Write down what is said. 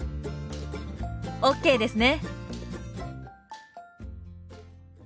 ＯＫですね！